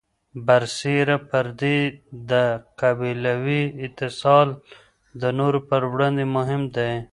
برسېره پر دې، د قبیلوي اتصال د نورو پر وړاندې مهم دی.